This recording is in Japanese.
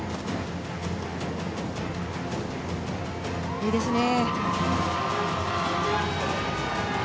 いいですね。